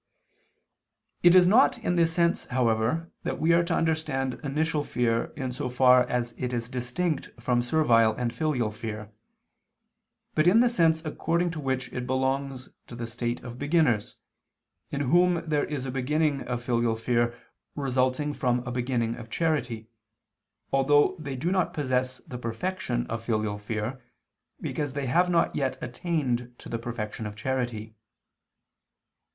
It is not in this sense, however, that we are to understand initial fear in so far as it is distinct from servile and filial fear, but in the sense according to which it belongs to the state of beginners, in whom there is a beginning of filial fear resulting from a beginning of charity, although they do not possess the perfection of filial fear, because they have not yet attained to the perfection of charity.